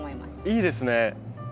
いいですね。